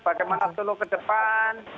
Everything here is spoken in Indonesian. bagaimana solo ke depan